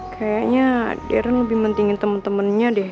kayaknya deren lebih mentingin temen temennya deh